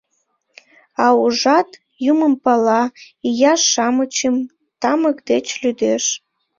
А ужат: юмым пала, ия-шамычым, тамык деч лӱдеш.